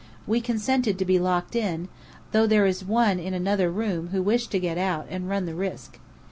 We consented to be locked in, though there is one in another room who wished to get out and run the risk.